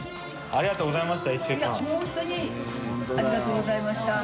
ありがとうございます。